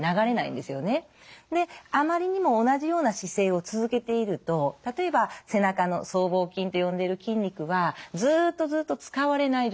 であまりにも同じような姿勢を続けていると例えば背中の僧帽筋と呼んでる筋肉はずっとずっと使われない状態なわけなんです。